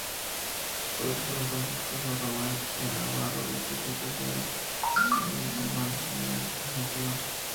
Sus padres fueron Francisco San Román y Navarro y Presentación San Román, emigrantes argentinos.